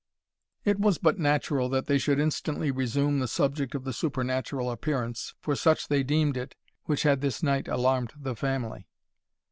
It was but natural that they should instantly resume the subject of the supernatural appearance, for such they deemed it, which had this night alarmed the family.